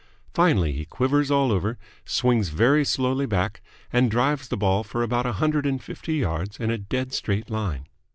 Finally he quivers all over, swings very slowly back, and drives the ball for about a hundred and fifty yards in a dead straight line.